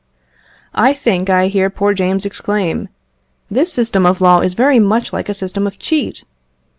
I think I hear poor James exclaim, "This system of law is very much like a system of cheat!"